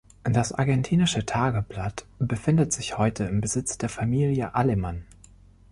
Das "Argentinische Tageblatt" befindet sich bis heute im Besitz der Familie Alemann.